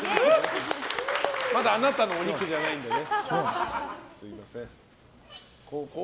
まだあなたのお肉じゃないんでね。